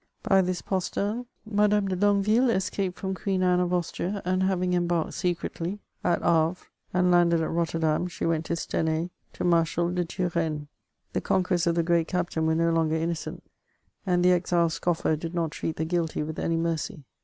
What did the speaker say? By this postern Madame de Longueyille escaped from Queen Anne of Austria; and haying embarked secretly s,t Hayre, and landed at Rotterdam, she went to Stenay, to Mar shal de Turenne. The conquests of the great captain were no longer innocent, and the exiled scoffer did not treat the guilty with any mercy.